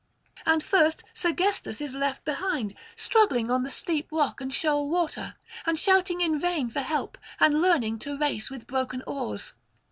And first Sergestus is left behind, struggling on the steep rock and shoal water, and shouting in vain for help and learning to race with broken oars.